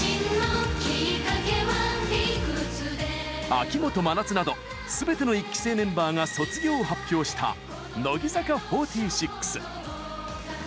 秋元真夏などすべての１期生メンバーが卒業を発表した乃木坂４６。